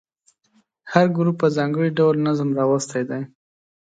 هر ګروپ په ځانګړي ډول نظم راوستی دی.